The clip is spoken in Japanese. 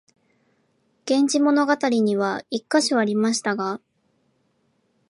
「源氏物語」には一カ所ありましたが、